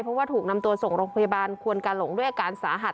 เพราะว่าถูกนำตัวส่งโรงพยาบาลควนกาหลงด้วยอาการสาหัส